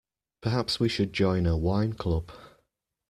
Perhaps we should join a wine club.